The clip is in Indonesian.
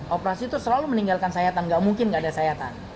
operasi itu selalu meninggalkan sayatan gak mungkin gak ada sayatan